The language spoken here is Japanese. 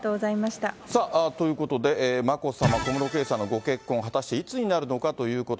さあ、ということで、眞子さま、小室圭さんのご結婚、果たしていつになるのかということ。